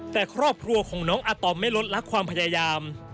แต่ครอบครัวของน้องอาตอมไม่ลดลักความพยายาม